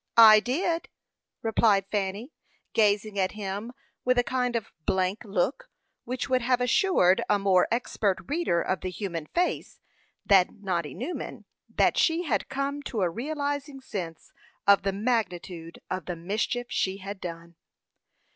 "I did," replied Fanny, gazing at him with a kind of blank look, which would have assured a more expert reader of the human face than Noddy Newman that she had come to a realizing sense of the magnitude of the mischief she had done.